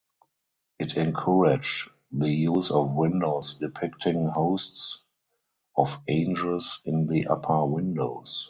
It encouraged the use of windows depicting hosts of angels in the upper windows.